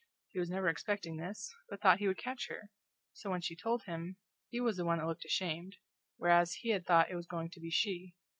He was never expecting this but thought he would catch her; so when she told him, he was the one that looked ashamed, whereas he had thought it was going to be she.